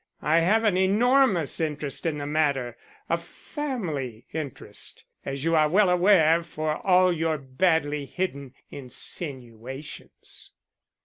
I have an enormous interest in the matter; a family interest, as you are well aware for all your badly hidden insinuations."